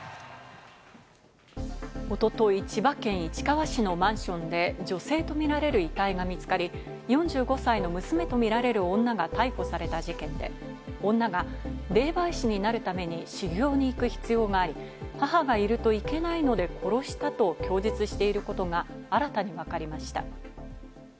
おととい、千葉県市川市のマンションで女性とみられる遺体が見つかり、４５歳の娘とみられる女が逮捕された事件で、女が、霊媒師になるために修行に行く必要があり、母がいるといけないので、殺したと供述していることが新たにわかりました。